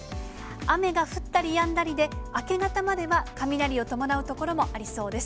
雨が降ったりやんだりで、明け方までは雷を伴う所もありそうです。